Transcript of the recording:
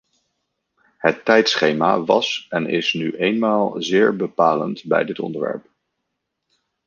Het tijdschema was en is nu eenmaal zeer bepalend bij dit onderwerp.